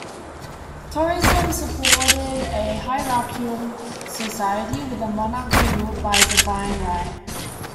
Toryism supported a hierarchical society with a monarch who ruled by divine right.